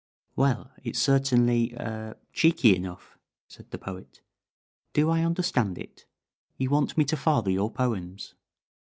"Well, it's certainly er cheeky enough," said the Poet. "Do I understand it? you want me to father your poems.